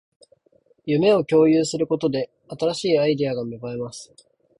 夢を共有することで、新しいアイデアが芽生えます